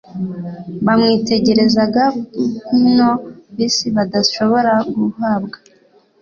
Bamwitegerezaga nk'nwo ab'isi badashobora guhabwa.